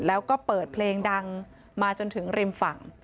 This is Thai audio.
แล้วก็เปิดเพลงดังมาจนถึงริมฝั่ง